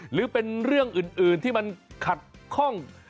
หรือเป็นเรื่องอื่นที่มันขัดข้อง